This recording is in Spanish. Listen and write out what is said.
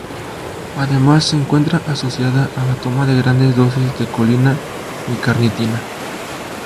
Además se encuentra asociada a la toma de grandes dosis de colina y carnitina.